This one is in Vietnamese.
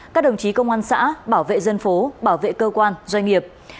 các đồng chí công an xã bảo vệ dân phố bảo vệ cơ quan doanh nghiệp